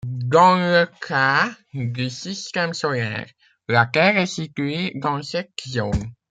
Dans le cas du système solaire, la Terre est située dans cette zone.